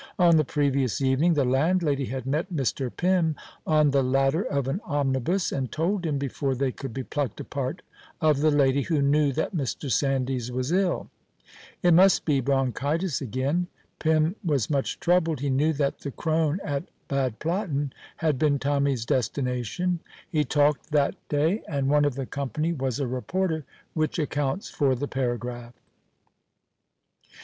On the previous evening the landlady had met Mr. Pym on the ladder of an omnibus, and told him, before they could be plucked apart, of the lady who knew that Mr. Sandys was ill. It must be bronchitis again. Pym was much troubled; he knew that the Krone at Bad Platten had been Tommy's destination. He talked that day, and one of the company was a reporter, which accounts for the paragraph.